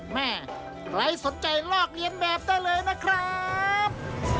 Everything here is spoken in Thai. แม่ใครสนใจลอกเลียนแบบได้เลยนะครับ